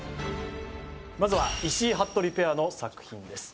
まずは石井・服部ペアの作品です